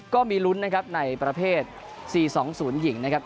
ก็มีลุ้นนะครับในประเภท๔๒๐หญิงนะครับ